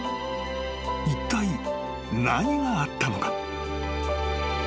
［いったい何があったのか？］